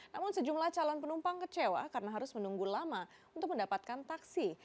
namun sejumlah calon penumpang kecewa karena harus menunggu lama untuk mendapatkan taksi